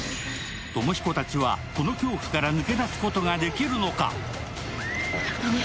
友彦たちはこの恐怖から抜け出すことができるのか。